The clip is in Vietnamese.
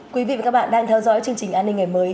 quý vị và các bạn đang theo dõi chương trình an ninh ngày mới